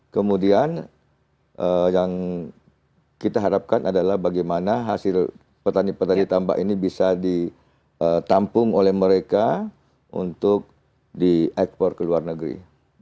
kemudian yang kita harapkan adalah bagaimana hasil petani petani tambak ini bisa ditampung oleh mereka untuk diekspor ke luar negeri